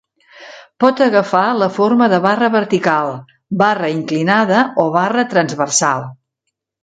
Pot agafar la forma de barra vertical, barra inclinada o barra transversal.